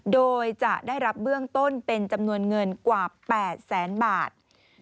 โดยจะได้รับเบื้องต้นเป็นจำนวนเงินกว่า๘แสนบาท